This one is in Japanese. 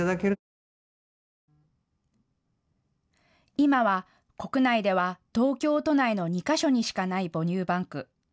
今は国内では東京都内の２か所にしかない母乳バンク。